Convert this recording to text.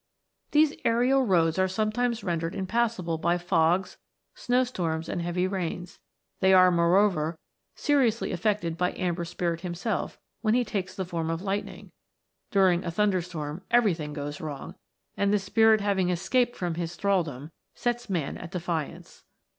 These aerial roads are sometimes rendered impass able by fogs, snow storms, and heavy rains ; they are, moreover, seriously affected by Amber Spirit himself when he takes the form of Lightning. During a thunderstorm everything goes wrong, and the Spirit having escaped from his thraldom, sets man at defiance.